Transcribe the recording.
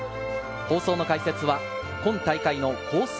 放送の解説は今大会のコース